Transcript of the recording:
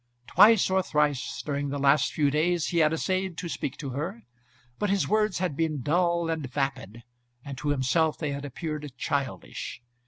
Twice or thrice during the last few days he had essayed to speak to her, but his words had been dull and vapid, and to himself they had appeared childish.